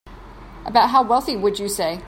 About how wealthy would you say?